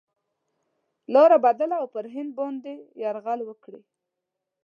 لاره بدله او پر هند باندي یرغل وکړي.